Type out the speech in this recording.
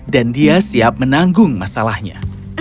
dan dia siap menanggung masalahnya